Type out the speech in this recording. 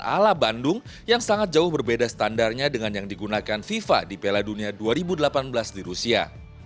dan var ini adalah var ala bandung yang sangat jauh berbeda standarnya dengan yang digunakan fifa di pela dunia dua ribu delapan belas di rusia